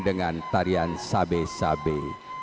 dengan tarian sabe sabe